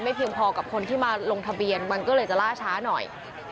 เพียงพอกับคนที่มาลงทะเบียนมันก็เลยจะล่าช้าหน่อย